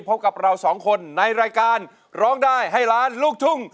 พบกับเราสองคนในรายการร้องได้ให้ล้านลูกทุ่ง